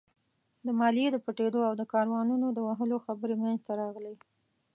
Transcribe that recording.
د ماليې د پټېدو او د کاروانونو د وهلو خبرې مينځته راغلې.